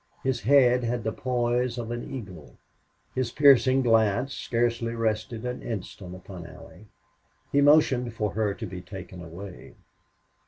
His head had the poise of an eagle. His piercing glance scarcely rested an instant upon Allie. He motioned for her to be taken away.